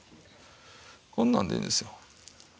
こんなんでいいんですよ。